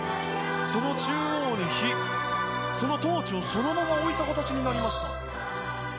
その中央に火そのトーチをそのまま置いた形になりました。